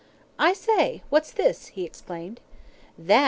"I say! what's this?" he exclaimed. "That!"